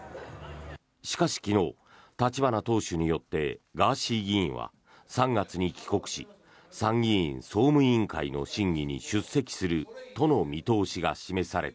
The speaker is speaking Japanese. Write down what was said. しかし、昨日立花党首によってガーシー議員は３月に帰国し参議院総務委員会の審議に出席するとの見通しが示された。